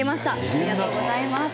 ありがとうございます。